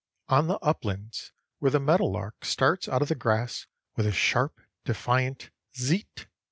On the uplands, where the meadow lark starts out of the grass with a sharp, defiant "zeet!"